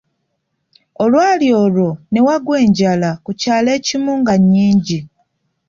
Olwali olwo ne wagwa enjala ku kyalo ekimu nga nnyingi.